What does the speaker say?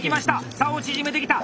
差を縮めてきた！